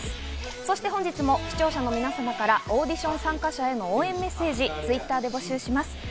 そして本日も視聴者の皆様からオーディション参加者への応援メッセージをＴｗｉｔｔｅｒで募集します。